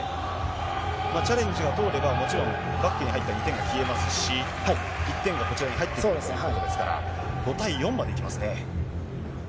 チャレンジが通れば、もちろんバックに入った２点が消えますし、１点がこちらに入ってくるということですから、５対４までいきますね。